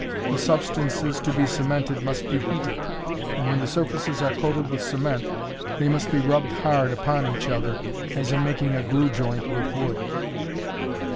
The substances to be cemented must be heated, and when the surfaces are coated with cement, they must be rubbed hard upon each other, as in making a glue joint with wood.